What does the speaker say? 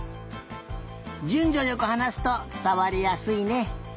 じゅんじょよくはなすとつたわりやすいね。